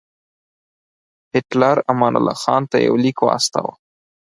هیټلر امان الله خان ته یو لیک واستاوه.